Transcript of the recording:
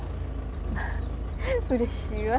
まあうれしいわ。